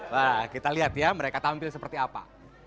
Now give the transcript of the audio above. wah kita lihat ya mereka tampil seperti apa